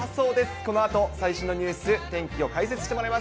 このあと、最新のニュース、天気を解説してもらいます。